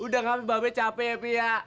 udah ngambek bapak capek ya pi ya